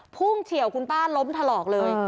เฉียวคุณป้าล้มถลอกเลย